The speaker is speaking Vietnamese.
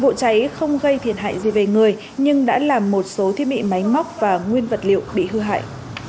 vụ cháy không gây thiệt hại gì về người nhưng đã làm một số thiết bị máy móc và nguyên vật liệu bị hư hại